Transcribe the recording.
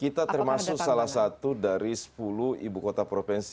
kita termasuk salah satu dari sepuluh ibu kota provinsi